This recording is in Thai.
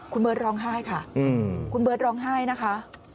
คุณเบิร์ตร้องไห้ค่ะคุณเบิร์ตร้องไห้นะคะ